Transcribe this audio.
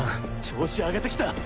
調子上げてきた。